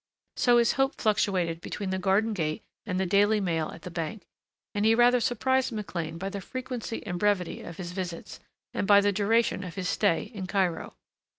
So his hope fluctuated between the garden gate and the daily mail at the Bank, and he rather surprised McLean by the frequency and brevity of his visits, and by the duration of his stay in Cairo.